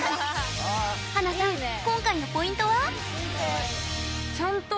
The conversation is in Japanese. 華さん、今回のポイントは？